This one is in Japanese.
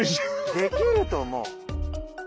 できると思う。